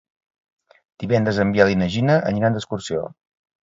Divendres en Biel i na Gina aniran d'excursió.